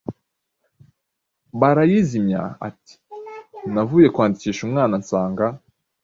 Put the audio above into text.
barayizimya. Ati:“Navuye kwandikisha umwana nsanga